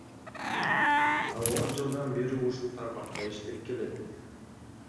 Ал он жылдан бери ушул тармакта иштеп келет.